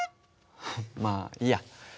まあいいや。